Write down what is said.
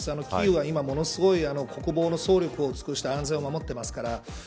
キーウは今、ものすごい国防の総力を尽くして安全を守っていますから